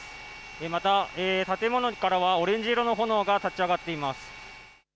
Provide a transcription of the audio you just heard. また建物からはオレンジ色の炎が立ち上がっています。